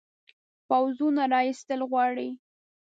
پوځونو را ایستل غواړي.